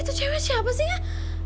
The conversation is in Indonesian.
itu cewek siapa sih kak